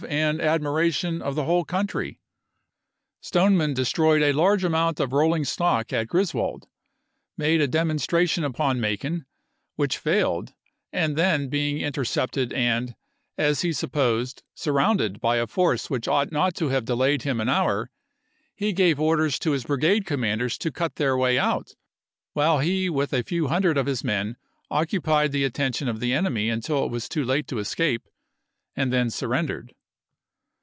and admiration of the whole country." Stoneman p?i4o'.' destroyed a large amount of rolling stock at Gris wold, made a demonstration upon Macon, which failed, and then being intercepted and, as he sup posed, surrounded, by a force which ought not to have delayed him an hour, he gave orders to his 280 ABKAHAM LINCOLN chap, xil brigade commanders to cut their way out, while he with a few hundred of his men occupied the atten tion of the enemy until it was too late to escape, and then surrendered.